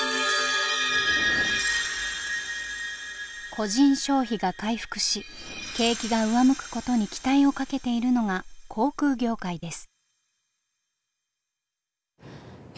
個人消費が回復し景気が上向くことに期待をかけているのが航空業界です。